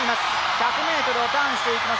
１００ｍをターンしていきます。